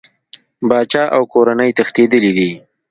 پاچا او کورنۍ تښتېدلي دي.